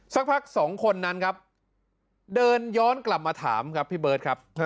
สักพักสองคนนั้นครับเดินย้อนกลับมาถามครับพี่เบิร์ตครับ